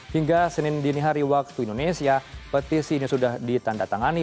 hingga senin dinihari waktu indonesia petisi ini sudah ditandatangani